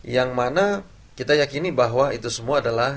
yang mana kita yakini bahwa itu semua adalah